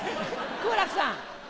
好楽さん。